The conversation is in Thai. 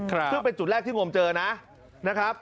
ซึ่งเป็นจุดแรกที่งมเจอนะครับ